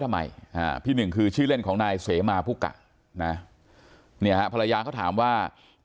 ทำไมพี่หนึ่งคือชื่อเล่นของนายเสมาภูกะนะเนี่ยฮะภรรยาก็ถามว่า